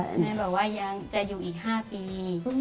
แม่บอกว่ายังจะอยู่อีก๕ปี